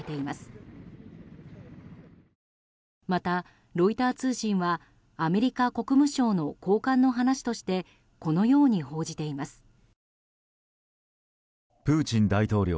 また、ロイター通信はアメリカ国務省の高官の話としてこのように報じています。